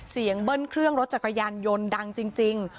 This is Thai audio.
เสียงเบิ่นเครื่องรถจากไกยันต์ยนต์ดังจริง